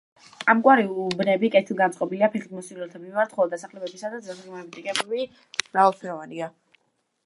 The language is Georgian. ამგვარი უბნები კეთილგანწყობილია ფეხით მოსიარულეთა მიმართ, ხოლო დასახლებისა და დასაქმების ტიპები კი მრავალფეროვანია.